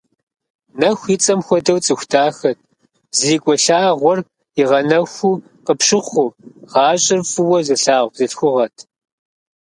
Нэху и цӀэм хуэдэу цӀыху дахэт, зрикӀуэ лъагъуэр игъэнэхуу къыпщыхъуу, гъащӀэр фӀыуэ зылъагъу бзылъхугъэт.